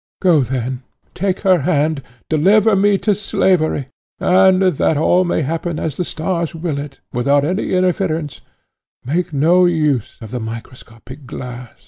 Go then, take her hand, deliver me to slavery, and, that all may happen as the stars will it, without any interference, make no use of the microscopic glass."